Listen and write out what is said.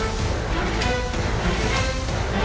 ก็ต้องชมเชยเขาล่ะครับเดี๋ยวลองไปดูห้องอื่นต่อนะครับ